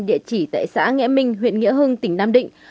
địa chỉ tại xã nghĩa minh huyện nghĩa hưng tỉnh nam định